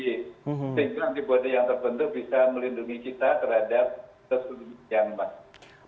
jadi antibody yang terbentuk bisa melindungi kita terhadap sesuatu yang masalah